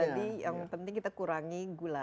jadi yang penting kita kurangi gula